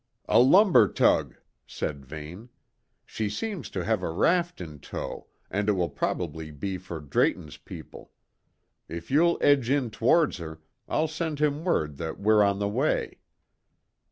"A lumber tug," said Vane. "She seems to have a raft in tow, and it will probably be for Drayton's people. If you'll edge in towards her, I'll send him word that we're on the way."